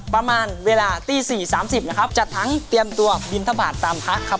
ประมาณเวลา๔๓๐จัดทั้งเตรียมตัวบินทบาทตามพระ